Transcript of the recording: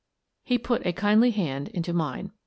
He put a kindly hand into mine.